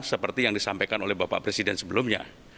seperti yang disampaikan oleh bapak presiden sebelumnya